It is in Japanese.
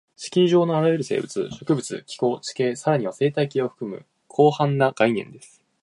地球上のあらゆる生物、植物、気候、地形、さらには生態系を含む広範な概念です